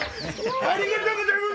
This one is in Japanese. ありがとうございます！